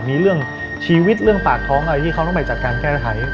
มีเรื่องชีวิตเรื่องปากท้องอะไรที่เขาต้องไปจัดการแก้ไข